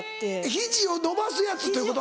肘を伸ばすやつということ？